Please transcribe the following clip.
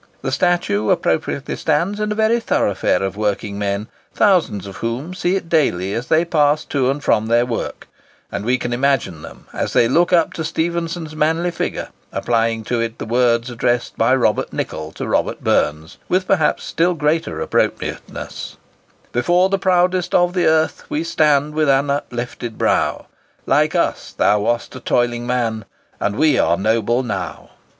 The statue appropriately stands in a very thoroughfare of working men, thousands of whom see it daily as they pass to and from their work; and we can imagine them, as they look up to Stephenson's manly figure, applying to it the words addressed by Robert Nicoll to Robert Burns, with perhaps still greater appropriateness:— "Before the proudest of the earth We stand, with an uplifted brow; Like us, thou wast a toiling man,— And we are noble, now!"